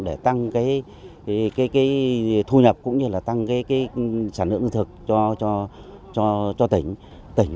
để tăng thu nhập cũng như là tăng sản ứng thực cho tỉnh